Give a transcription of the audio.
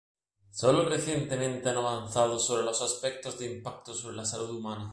Solo recientemente ha avanzado sobre los aspectos de impacto sobre la salud humana.